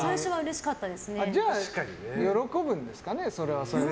じゃあ、喜ぶんですかねそれはそれで。